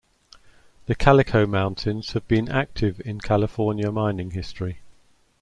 The Calico Mountains have been active in California mining history.